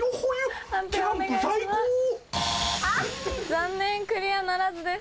残念クリアならずです。